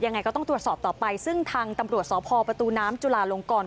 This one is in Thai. ยังไงก็ต้องตรวจสอบต่อไปซึ่งทางตำรวจสพประตูน้ำจุลาลงกร